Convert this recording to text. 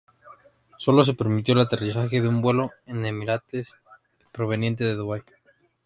Sólo se permitió el aterrizaje de un vuelo de Emirates proveniente de Dubái.